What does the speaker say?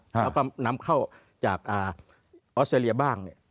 แล้วก็นำเข้าจากออสเตรเลียบ้าง